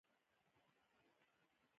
زده کړه د غربت په کمولو کې مرسته کوي.